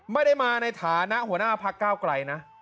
ไม่ได้มาในฐานะหัวหน้าพักก้าวไกลนะ